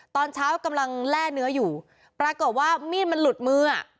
ตอนเช้ากำลังแร่เนื้ออยู่ปรากฏว่ามีดมันหลุดมืออ่ะ